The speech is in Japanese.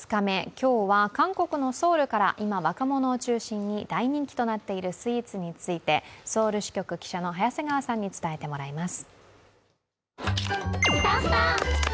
今日は韓国のソウルから今若者を中心に大人気となっているスイーツについて、ソウル支局記者の早瀬川さんに伝えてもらいます。